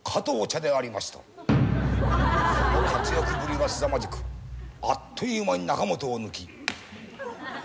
その活躍ぶりはすさまじくあっという間に仲本を抜き。